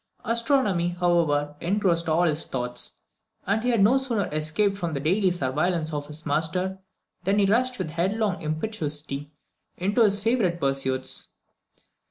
Astronomy, however, engrossed all his thoughts; and he had no sooner escaped from the daily surveillance of his master, than he rushed with headlong impetuosity into his favourite pursuits.